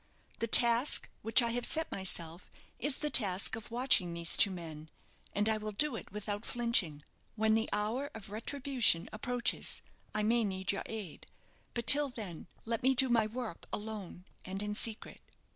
The task which I have set myself is the task of watching these two men; and I will do it without flinching. When the hour of retribution approaches, I may need your aid; but till then let me do my work alone, and in secret."